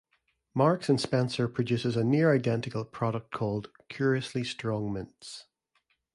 Marks and Spencer produces a near identical product called "Curiously Strong Mints".